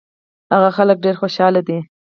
هغه خلک ډېر خوشاله دي.